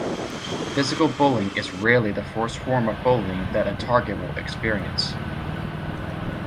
Physical bullying is rarely the first form of bullying that a target will experience.